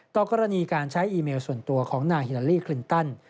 กรณีการใช้อีเมลส่วนตัวของนางฮิลาลีคลินตัน